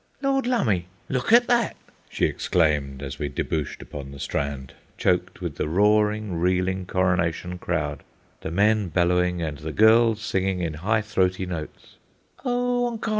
"Lord lumme, look a' that," she exclaimed, as we debouched upon the Strand, choked with the roaring, reeling Coronation crowd, the men bellowing and the girls singing in high throaty notes:— "Oh!